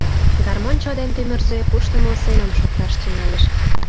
Гармоньчо ден тӱмырзӧ куштымо семым шокташ тӱҥальыч.